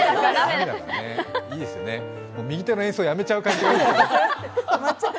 右手の演奏、やめちゃう感じですね。